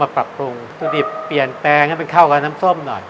ปรับปรุงสูตรดิบเปลี่ยนแปลงให้มันเข้ากับน้ำส้มหน่อย